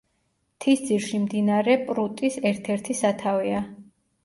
მთისძირში მდინარე პრუტის ერთ-ერთი სათავეა.